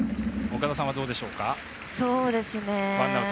岡田さんはどうでしょうか？